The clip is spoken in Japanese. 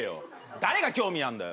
誰が興味あんだよ